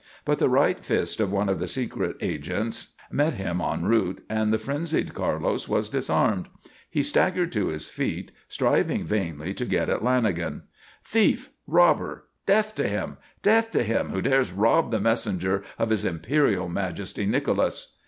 But the right fist of one of the secret agents met him en route, and the frenzied Carlos was disarmed. He staggered to his feet, striving vainly to get at Lanagan. "Thief! Robber! Death to him! Death to him who dares rob the messenger of His Imperial Majesty, Nicholas!"